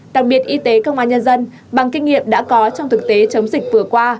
đặc biệt y tế công an nhân dân bằng kinh nghiệm đã có trong thực tế chống dịch vừa qua